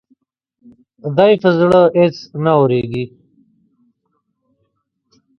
دا يې په زړه اېڅ نه اوارېږي.